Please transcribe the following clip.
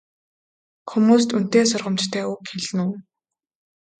Хүмүүст үнэтэй сургамжтай үг хэлнэ үү?